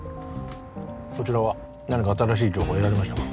そちらは何か新しい情報得られましたか？